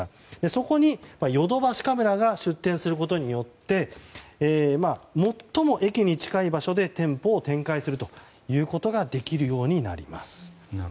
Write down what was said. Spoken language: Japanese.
そこにヨドバシカメラが出店することによって最も駅に近い場所で店舗を展開することができるようになります。